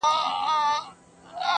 رڼا ترې باسم له څراغه .